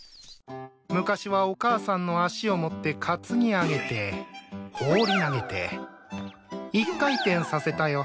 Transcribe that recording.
昔はお母さんの足を持って担ぎ上げて放り投げて１回転させたよ。